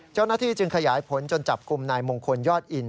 เจ้าหน้าที่จึงขยายผลจนจับกลุ่มนายมงคลยอดอิน